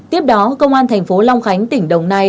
tiếp đó công an thành phố long khánh tỉnh đồng nai